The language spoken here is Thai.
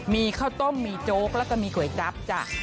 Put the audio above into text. มีข้าวต้มมีโจ๊กแล้วก็มีก๋วยจั๊บจ้ะ